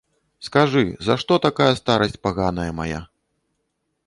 Скажы, за што такая старасць паганая мая?